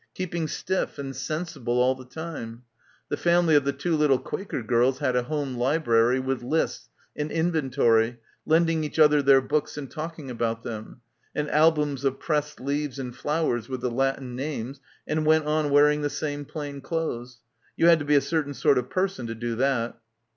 Keeping stiff and sensible all the time. The family of the two little Quaker girls had a home library, with lists, an inventory, lending each other their books and talking about them, and albums of pressed leaves and flowers with the Latin names, and went on wearing the same plain clothes. ... You had to be a certain sort of person to do that.